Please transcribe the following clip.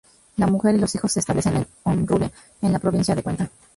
La mujer y los hijos se establecen en Honrubia, en la provincia de Cuenca.